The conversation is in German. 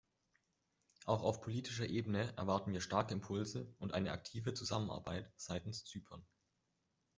Auch auf politischer Ebene erwarten wir starke Impulse und eine aktive Zusammenarbeit seitens Zypern.